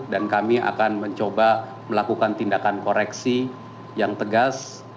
dan kami akan mencoba melakukan tindakan koreksi yang tegas